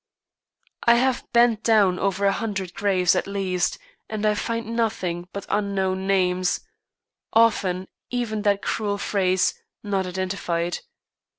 I have bent down over a hundred graves at least and I find nothing but unknown names, often even that cruel phrase, "Not identified."